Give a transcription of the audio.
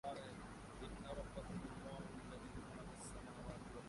یہ سڑک airport کو جاتی ہے